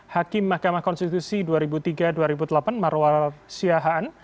hakim mahkamah konstitusi dua ribu tiga dua ribu delapan marwar siahaan